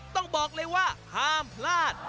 ต้องบอกเลยว่าห้ามพลาด